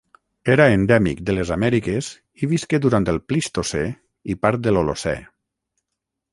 Era endèmic de les Amèriques i visqué durant el Plistocè i part de l'Holocè.